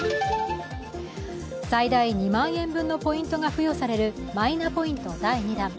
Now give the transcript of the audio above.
最大２万円分のポイントが付与されるマイナポイント第２弾。